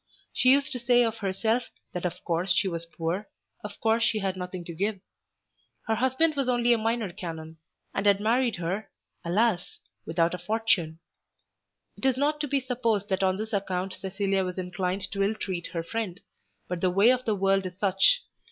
She used to say of herself that of course she was poor; of course she had nothing to give. Her husband was only a Minor Canon, and had married her, alas, without a fortune. It is not to be supposed that on this account Cecilia was inclined to ill treat her friend; but the way of the world is such.